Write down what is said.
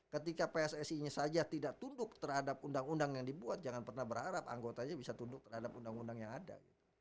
ketika pssi nya saja tidak tunduk terhadap undang undang yang dibuat jangan pernah berharap anggotanya bisa tunduk terhadap undang undang yang ada